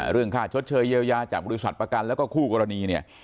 เรื่องค่าชดเชยเยียวยาจากบริษัทประกันแล้วก็คู่กรณีเนี่ย